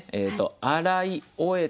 「洗い」「終えた」